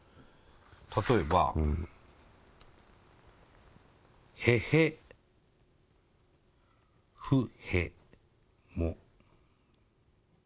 例えば。へへふへも。